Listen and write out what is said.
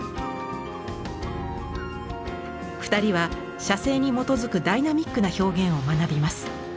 ２人は写生に基づくダイナミックな表現を学びます。